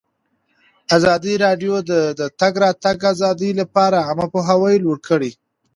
ازادي راډیو د د تګ راتګ ازادي لپاره عامه پوهاوي لوړ کړی.